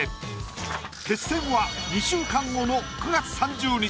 決戦は２週間後の９月３０日。